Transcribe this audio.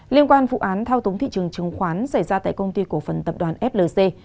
liên quan vụ án thao túng thị trường chứng khoán xảy ra tại công ty cổ phần tập đoàn flc